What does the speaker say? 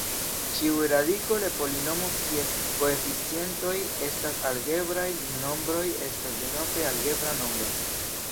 Ĉiu radiko de polinomo kies koeficientoj estas algebraj nombroj estas denove algebra nombro.